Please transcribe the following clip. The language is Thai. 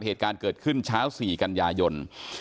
เหตุการณ์เกิดขึ้นเช้า๔กันยายน